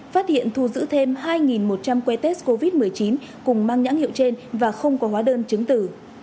phát hiện thu giữ thêm hai một trăm linh que test covid một mươi chín cùng mang nhãn hiệu trên và không có hóa đơn chứng tử